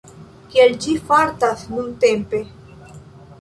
Kiel ĝi fartas nuntempe?